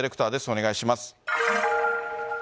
お願いします。